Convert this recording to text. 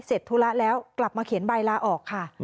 ธุระแล้วกลับมาเขียนใบลาออกค่ะ